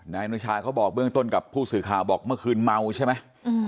นายอนุชาเขาบอกเบื้องต้นกับผู้สื่อข่าวบอกเมื่อคืนเมาใช่ไหม